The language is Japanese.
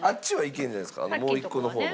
もう一個の方の。